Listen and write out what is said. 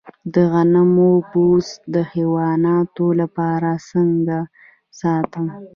د غنمو بوس د حیواناتو لپاره څنګه ساتم؟